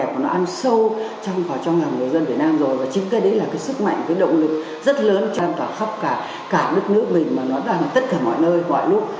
ăn sâu trong khỏi trong hàng người dân việt nam rồi và chính cái đấy là cái sức mạnh cái động lực rất lớn cho an toàn khắp cả nước nước mình mà nó đang ở tất cả mọi nơi ngoại lúc